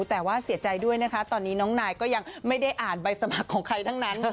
แต่ว่าเสียใจด้วยนะคะตอนนี้น้องนายก็ยังไม่ได้อ่านใบสมัครของใครทั้งนั้น